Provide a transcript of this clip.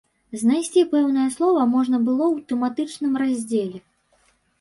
Знайсці пэўнае слова можна было ў тэматычным раздзеле.